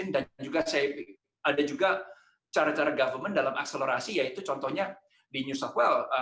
dan ada juga cara cara pemerintah dalam akselerasi yaitu contohnya di news of well